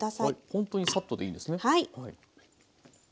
ほんとにサッとでいいんですね。